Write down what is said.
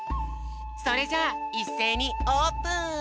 それじゃあいっせいにオープン！